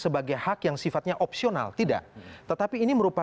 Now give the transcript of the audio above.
baik kita tahan dulu sampai di situ